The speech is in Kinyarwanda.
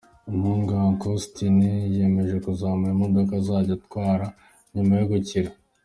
Umuhungu we, Uncle Austin yiyemeje kuzamuha imodoka azajya atwara nyuma yo gukira.